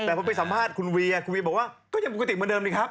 แต่พอไปสัมภาษณ์คุณวีคุณวีบอกว่าก็ยังปกติเหมือนเดิมนี่ครับ